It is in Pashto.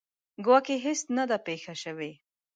ګواکې هیڅ نه ده پېښه شوې.